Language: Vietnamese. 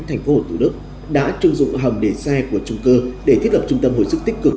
thành phố tù đức đã trưng dụng hầm để xe của trung cơ để thiết lập trung tâm hồi sức tích cực